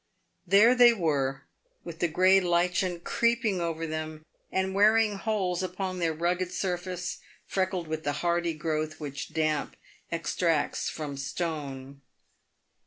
There they were, with the grey lichen creeping over them, and wear ing holes upon their rugged surface, freckled with the hardy growth which damp extracts from stone.